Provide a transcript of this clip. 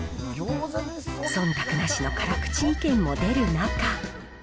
そんたくなしの辛口意見も出る中。